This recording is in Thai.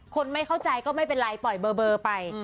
คนไม่เข้าใจก็ไม่เป็นไรปล่อยเบอร์ไป